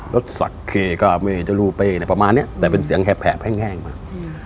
แล้วสักเคกาเมจรูเปเนี่ยประมาณเนี่ยแต่เป็นเสียงแหบแหบแห้งมาก